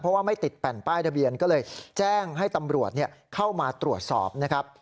เพราะว่าไม่ติดแผ่นป้ายทะเบียนก็เลยแจ้งให้ตำรวจเข้ามาตรวจสอบนะครับ